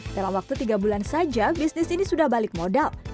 dalam waktu tiga bulan saja bisnis ini sudah balik modal